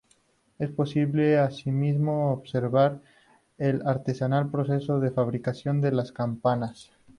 Es posible asimismo observar el artesanal proceso de fabricación de las campanas.